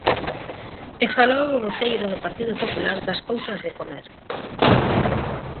E falou o voceiro do Partido Popular das cousas de comer.